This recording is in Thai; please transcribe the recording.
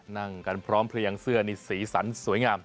นั่งกันพร้อมเพลียงเสื้อนี่สีสันสวยงาม